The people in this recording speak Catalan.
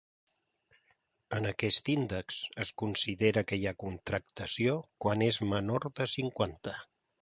En aquest índex es considera que hi ha contracció quan és menor de cinquanta.